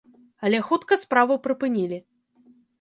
Але хутка справу прыпынілі.